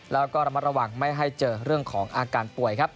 แล้วก็ระมัดระวังไม่ให้เจอเรื่องของอาการป่วยครับ